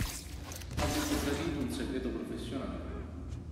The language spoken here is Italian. Avrebbe tradito un segreto professionale